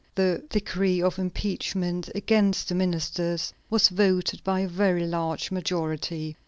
The decree of impeachment against the ministers was voted by a very large majority.